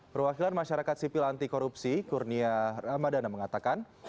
perwakilan masyarakat sipil anti korupsi kurnia ramadana mengatakan